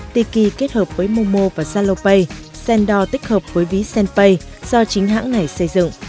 tiki kết hợp với momo và salopay sando tích hợp với ví senpay do chính hãng này xây dựng